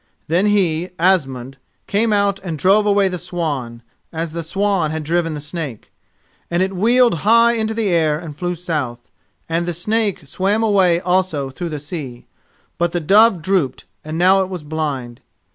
Then he, Asmund, came out and drove away the swan, as the swan had driven the snake, and it wheeled high into the air and flew south, and the snake swam away also through the sea. But the dove drooped and now it was blind.